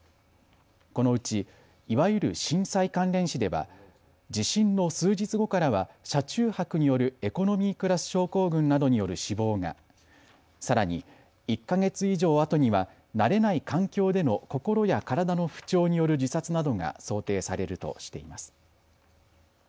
このうち、いわゆる震災関連死では地震の数日後からは車中泊によるエコノミークラス症候群などによる死亡が、さらに１か月以上あとには慣れない環境での心や体の不調による自殺などが想定されるとしています。